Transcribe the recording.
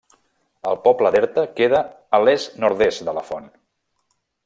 El poble d'Erta queda a l'est-nord-est de la font.